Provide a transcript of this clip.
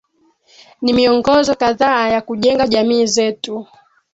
Ni miongozo kadhaa ya kujenga jamii zetu